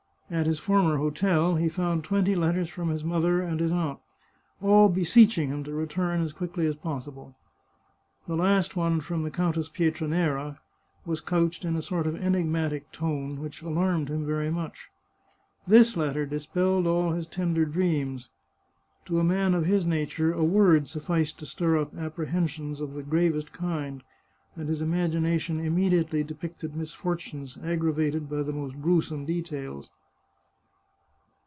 At his former hotel he found twenty let ters from his mother and his aunt, all beseeching him to re turn as quickly as possible. The last one from the Countess Pietranera was couched in a sort of enigmatic tone which alarmed him very much. This letter dispelled all his tender dreams. To a man of his nature a word sufficed to stir up apprehensions of the gravest kind, and his imagination im mediately depicted misfortunes aggravated by the most gruesome details.